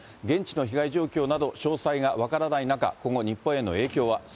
現地の被害状況など、詳細が分からない中、今後、日本への影響は。